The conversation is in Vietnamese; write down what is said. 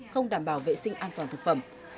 không đảm bảo vệ sinh an toàn thực phẩm